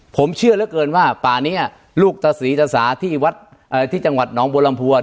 ผมเชื่อเหลือเกินว่าป่านี้ลูกตาศรีตาสาที่จังหวัดน้องโบรมภัวร์